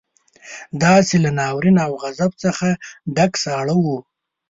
داسې له ناورين او غضب څخه ډک ساړه وو.